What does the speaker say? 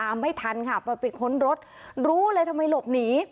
มาปิดค้นรถรู้เลยทำไมหลบหนี